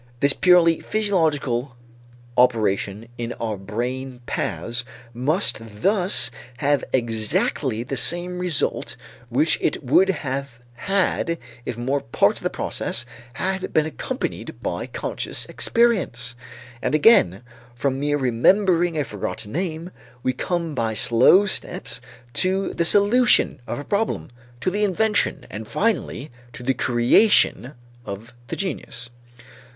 This purely physiological operation in our brain paths must thus have exactly the same result which it would have had, if more parts of the process had been accompanied by conscious experience. And again from mere remembering a forgotten name, we come by slow steps to the solution of a problem, to the invention, and finally to the creation of the genius.